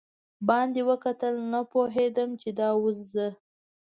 باندې وکتل، نه پوهېدم چې دا اوس زه.